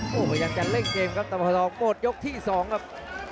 โอ้โหพยายามจะเล่นเกมครับตะพทองหมดยกที่๒ครับ